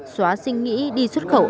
xóa suy nghĩ đi xuất khẩu